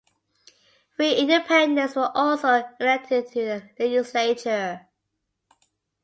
Three independents were also elected to the legislature.